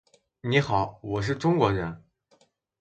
你好，我是中国人。